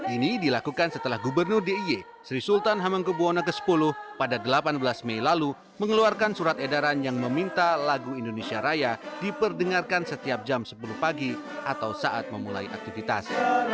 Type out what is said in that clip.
ini dilakukan setelah gubernur d i e sri sultan hamengkebuwono x pada delapan belas mei lalu mengeluarkan surat edaran yang meminta lagu indonesia raya diperdengarkan setiap jam sepuluh pagi atau saat memulai aktivitas